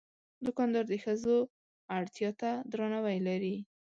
دوکاندار د ښځو اړتیا ته درناوی لري.